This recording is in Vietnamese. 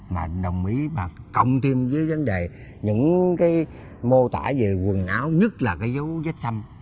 mà đồng ý mà cộng thêm với vấn đề những cái mô tả về quần áo nhất là cái dấu vết xâm